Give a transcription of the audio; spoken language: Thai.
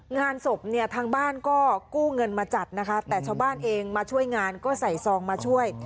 งานศพเนี่ยทางบ้านก็กู้เงินมาจัดนะคะแต่ชาวบ้านเองมาช่วยงานก็ใส่ซองมาช่วย